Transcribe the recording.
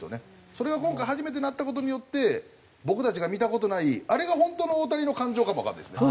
それが今回初めてなった事によって僕たちが見た事ないあれが本当の大谷の感情かもわかんないですね。